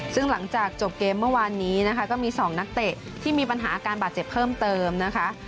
ซึ่งหลังจากจบเกมเมื่อวานนี้นะคะก็มี๒นักเตะที่มีปัญหาอาการบาดเจ็บเพิ่มเติมนะคะ